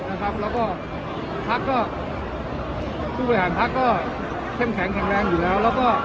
นะครับแล้วก็พักก็สู่บริหารพักก็เช่มแข็งแข็งแรงอยู่แล้ว